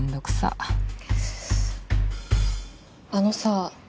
あのさ